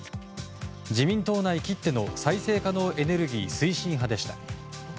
自民党内きっての再生可能エネルギー推進派でした。